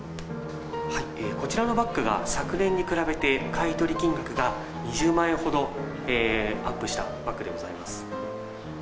こちらのバッグが、昨年に比べて、買い取り金額が２０万円ほどアップしたバッグでございます。